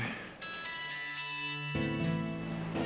pas banget dia nelfon